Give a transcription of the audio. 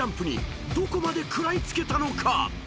ＪＵＭＰにどこまで食らいつけたのか］